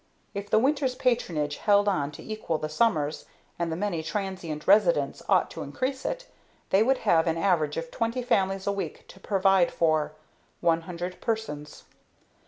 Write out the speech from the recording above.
If the winter's patronage held on to equal the summer's and the many transient residents ought to increase it they would have an average of twenty families a week to provide for one hundred persons.